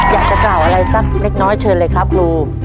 อยากจะกล่าวอะไรสักเล็กน้อยเชิญเลยครับครู